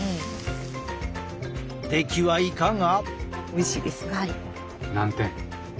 出来はいかが？